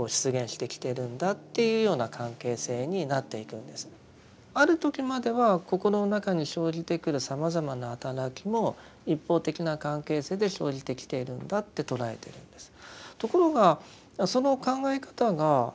あの私たちが見ているある時までは心の中に生じてくるさまざまな働きも一方的な関係性で生じてきているんだって捉えてるんです。